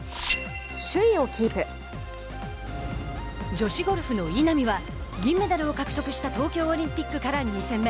女子ゴルフの稲見は銀メダルを獲得した東京オリンピックから２戦目。